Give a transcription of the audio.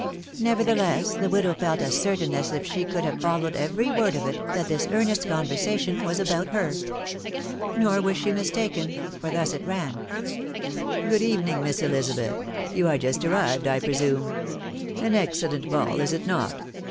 •*. Nevertheless, die widow felt as certain as if *he could 'have followed every mud t>f it, that .this earnest conversation *ras about her. Nor was she mistaken, for thus it tan :— "<Good evening, Miss Elizabeth. •*.. Youi*re ju«t arrived, 1 presume. .». An excellent hall, is it not ?